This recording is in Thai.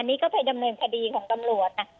อันนี้ก็เป็นการดำเนินคดีของตำรวจ